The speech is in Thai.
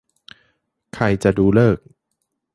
ใครจะดูฤกษ์